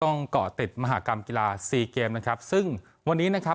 เกาะติดมหากรรมกีฬาสี่เกมนะครับซึ่งวันนี้นะครับ